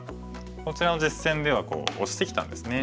こちらの実戦ではオシてきたんですね。